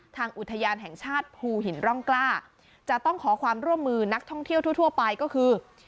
ทางอุทยานแห่งชาติภูหินร่องกล้าจะต้องขอความร่วมมือนักท่องเที่ยวทั่วไปก็คือ